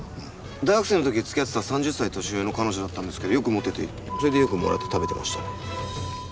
大学生の時付き合ってた３０歳年上の彼女だったんですけどよく持っててそれでよくもらって食べてましたね。